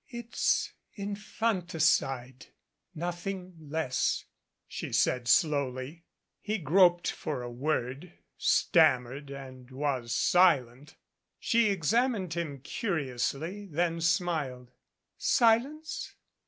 It's infanticide nothing less," she said slowly. He groped for a word, stammered and was silent. She examined him curiously, then smiled. "Silence?